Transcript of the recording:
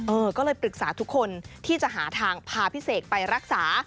เออก็เลยปรึกษาทุกคนที่จะหาทางพาพี่เสกไปรักษา